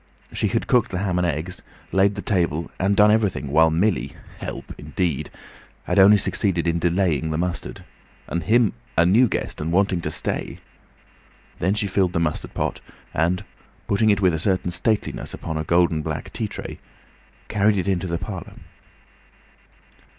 She had cooked the ham and eggs, laid the table, and done everything, while Millie (help indeed!) had only succeeded in delaying the mustard. And him a new guest and wanting to stay! Then she filled the mustard pot, and, putting it with a certain stateliness upon a gold and black tea tray, carried it into the parlour.